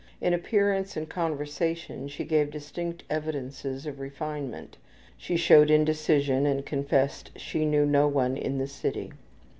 In appearance and conversation she gave distinct evidences of refinement. She showed indecision and confessed she knew no one in the city.